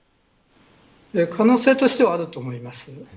可能性としてはあると思います。